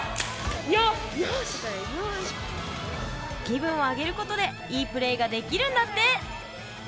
気分を上げることでいいプレーができるんだって！